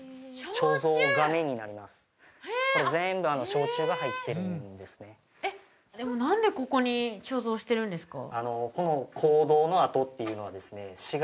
これ全部焼酎が入ってるんですねでも何でここに貯蔵してるんですか？